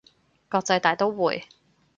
國際大刀會